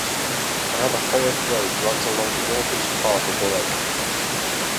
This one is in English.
Another forest road runs along the northeast part of the lake.